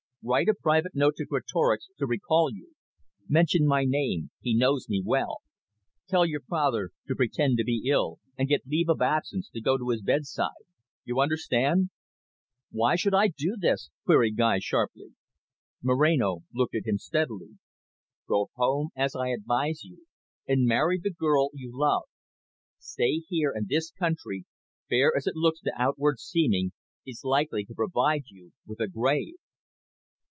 Write a private note to Greatorex to recall you; mention my name, he knows me well. Tell your father to pretend to be ill, and get leave of absence to go to his bedside. You understand." "Why should I do this?" queried Guy sharply. Moreno looked at him steadily. "Go home as I advise you, and marry the girl you love. Stay here, and this country, fair as it looks to outward seeming, is likely to provide you with a grave."